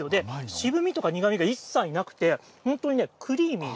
渋みとか苦みが一切なくて、本当にね、クリーミー。